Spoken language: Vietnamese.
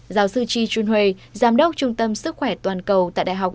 giáo sư chi chunhui giám đốc trung tâm sức khỏe toàn cầu tại đại học